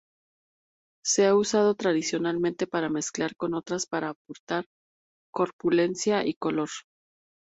Se ha usado tradicionalmente para mezclar con otras para aportar corpulencia y color.